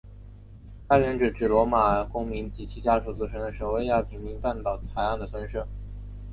它原指由罗马公民及其家属组成的守卫亚平宁半岛海岸的村社。